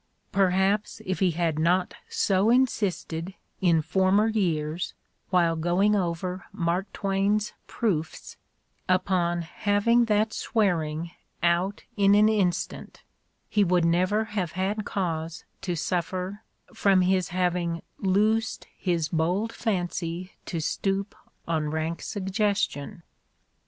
Perhaps if he had not so insisted, in former years, while going over Mark Twain's proofs, upon "having that swearing out in an instant," he would never have had cause to suffer from his having "loosed his bold fancy to stoop on rank suggestion."